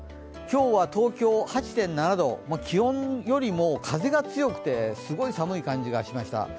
今日は東京、８．７度気温よりも風が強くてすごい寒い感じがしました。